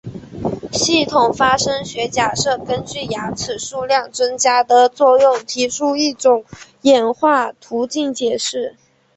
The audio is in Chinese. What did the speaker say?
系统发生学假设根据牙齿数量增加的作用提出一种演化途径解释。